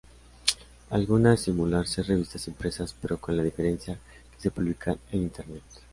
Algunas simular ser revistas impresas, pero, con la diferencia que se publican en Internet.